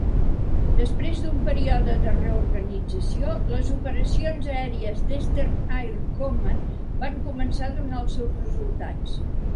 Després d"un període de reorganització, les operacions aèries d"Eastern Air Command van començar a donar els seus resultats.